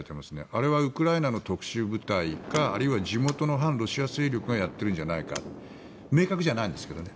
あれはウクライナの特殊部隊かあるいは地元の反ロシア勢力がやっているんじゃないかと明確じゃないんですけどね。